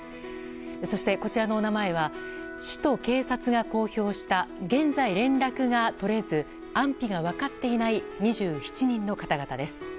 そしてこちらのお名前は市と警察が公表した現在、連絡が取れず安否が分かっていない２７人の方々です。